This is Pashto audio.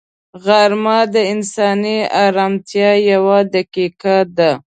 غرمه د انساني ارامتیا یوه دقیقه ده